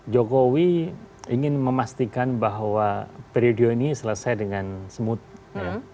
jokowi ingin memastikan bahwa periode ini selesai dengan smooth ya